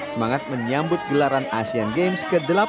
semangat menyambut gelaran asean games ke delapan belas